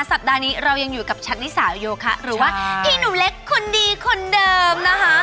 สัปดาห์นี้เรายังอยู่กับชัดนิสาวโยคะหรือว่าพี่หนุ่มเล็กคนดีคนเดิมนะคะ